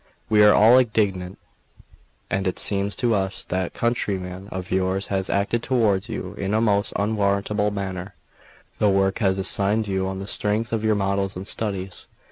We are all indignant; and it seems to us that that countryman of yours has acted towards you in a most unwarrantable manner. The work was assigned you on the strength of your models and studies.